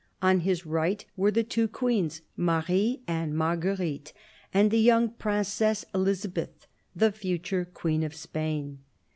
On his right were the two Queens, Marie and Marguerite, and the young Princess Elisabeth, the future Queen of Spain.